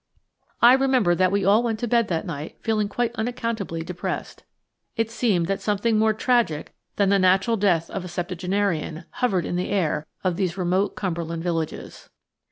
I remember that we all went to bed that night feeling quite unaccountably depressed. It seemed that something more tragic than the natural death of a septuagenarian hovered in the air of these remote Cumberland villages.